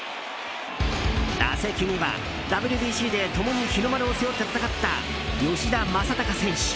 打席には、ＷＢＣで共に日の丸を背負って戦った吉田正尚選手。